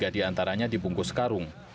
tiga diantaranya dibungkus karung